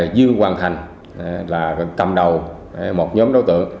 nguyễn quang thành là cầm đầu một nhóm đối tượng